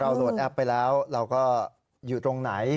โหลดแอปไปแล้วเราก็อยู่ตรงไหน